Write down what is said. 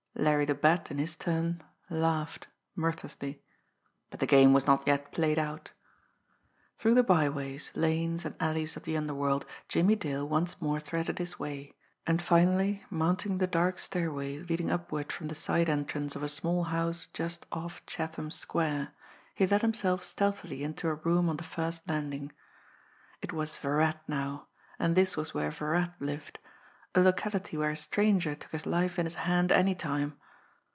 Larry the Bat, in his turn, laughed, mirthlessly. But the game was not yet played out! Through the by ways, lanes and alleys of the underworld, Jimmie Dale once more threaded his way, and finally, mounting the dark stairway leading upward from the side entrance of a small house just off Chatham Square, he let himself stealthily into a room on the first landing. It was Virat now, and this was where Virat lived a locality where a stranger took his life in his hand any time!